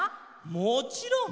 もちろん！